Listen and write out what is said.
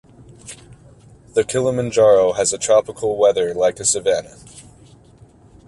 The Kilimanjaro has a tropical weather like a savanna.